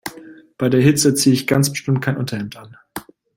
Bei der Hitze ziehe ich ganz bestimmt kein Unterhemd an.